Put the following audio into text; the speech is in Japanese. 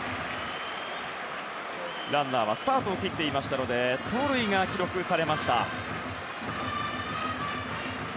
ランナーはスタートを切っていましたので盗塁が記録されました。